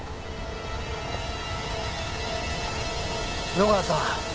野川さん